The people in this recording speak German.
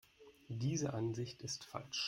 Diese Ansicht ist falsch.